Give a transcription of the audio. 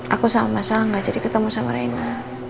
aku sama sama jadi ketemu sama reina